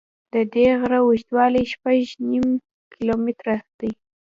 د دې غره اوږدوالی شپږ نیم کیلومتره دی.